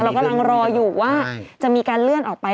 เรากำลังรออยู่ว่าจะมีการเลื่อนออกไป